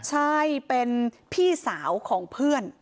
ใช่เป็นพี่สาวของเพื่อน